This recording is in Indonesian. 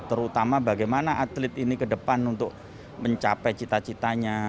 terutama bagaimana atlet ini ke depan untuk mencapai cita citanya